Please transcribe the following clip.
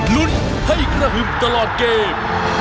ลุ้นให้กระหึ่มตลอดเกม